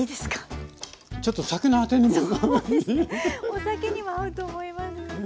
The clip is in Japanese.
お酒にも合うと思います。